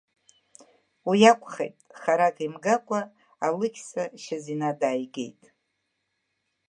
Уи акәхеит, харак имгакәа Алықьса Шьазина дааигеит.